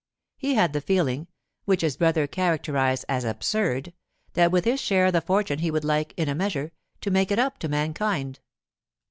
He had the feeling—which his brother characterized as absurd—that with his share of the fortune he would like, in a measure, to make it up to mankind.